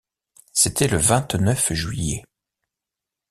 C’était le vingt-neuf juillet.